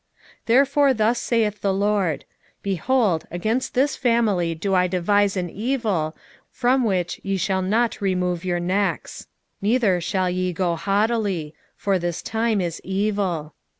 2:3 Therefore thus saith the LORD; Behold, against this family do I devise an evil, from which ye shall not remove your necks; neither shall ye go haughtily: for this time is evil.